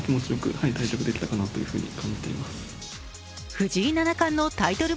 藤井七冠のタイトル